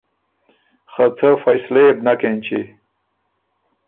خه څه فیصلۀ يې بو نک اېنچی۔